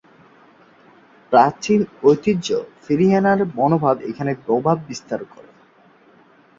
প্রাচীন ঐতিহ্য ফিরিয়ে আনার মনোভাব এখানে প্রভাব বিস্তার করে।